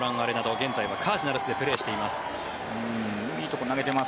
現在はカージナルスでプレーしています。